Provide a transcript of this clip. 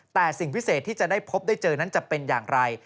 แต่สิ่งพิเศษที่จะได้พบได้เจอนั้นจะเป็นอย่างไร